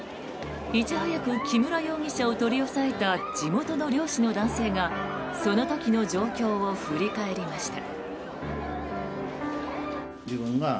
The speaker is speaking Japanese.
いち早く木村容疑者を取り押さえた地元の漁師の男性がその時の状況を振り返りました。